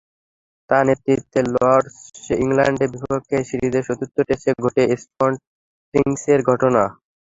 তাঁর নেতৃত্বে লর্ডসে ইংল্যান্ডের বিপক্ষে সিরিজের চতুর্থ টেস্টে ঘটে স্পট ফিক্সিংয়ের ঘটনা।